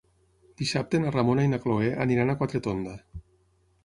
Dissabte na Ramona i na Cloè aniran a Quatretonda.